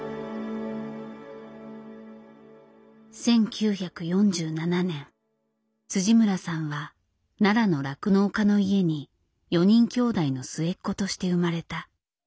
１９４７年村さんは奈良の酪農家の家に４人兄弟の末っ子として生まれた。